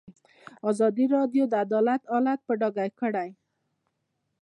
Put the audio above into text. ازادي راډیو د عدالت حالت په ډاګه کړی.